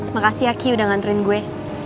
makasih ya ki udah nganterin gue